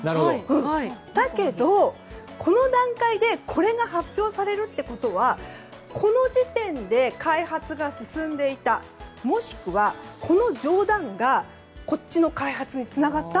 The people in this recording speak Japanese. だけど、この段階でこれが発表されるってことはこの時点で開発が進んでいたもしくは、この冗談がこっちの開発につながった？